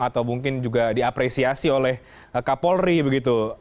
atau mungkin juga diapresiasi oleh kak polri begitu